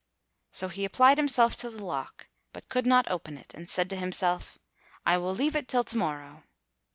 So he applied himself to the lock, but could not open it, and said to himself, "I will leave it till to morrow."